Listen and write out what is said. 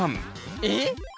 えっ！